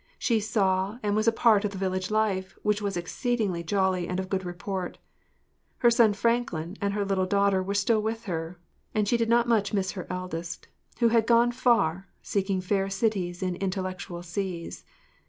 She saw and was a part of the village life, which was exceedingly jolly and of good report. Her son Franklin and her little daughter were still with her, and she did not much miss her eldest—who had gone far seeking fair cities in intellectual seas.